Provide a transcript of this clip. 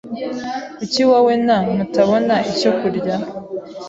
Kuki wowe na mutabona icyo kurya?